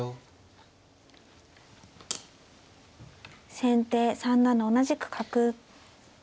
先手３七同じく角。